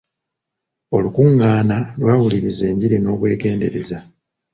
Olukungaana lwawulirizza enjiri n'obwegendereza.